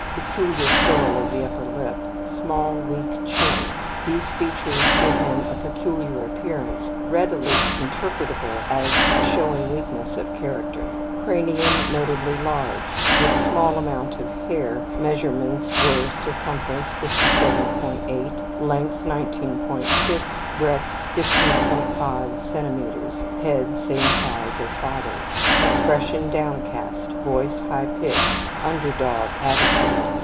Peculiar curl of the upper lip. Small, weak chin. These features give him a peculiar appearance readily interpretable as showing weakness of character. Cranium notably large. With small amount of hair measurements were: circumference 57.8; length 19.6; breadth 15.5 cm. (Head same size as father's.) Expression downcast. Voice high pitched. ``Under dog'' attitude.